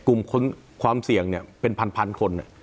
กลุ่มความเสี่ยงเป็นพันคน